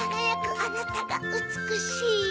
あなたがうつくしい。